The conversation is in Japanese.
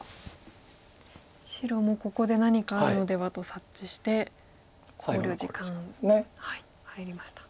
白もここで何かあるのではと察知して考慮時間入りました。